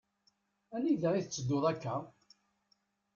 Anida i tetteduḍ akka?